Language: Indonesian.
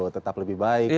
tetap lebih baik